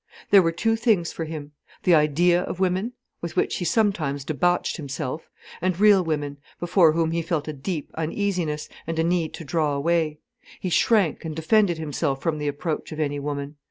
There were two things for him, the idea of women, with which he sometimes debauched himself, and real women, before whom he felt a deep uneasiness, and a need to draw away. He shrank and defended himself from the approach of any woman.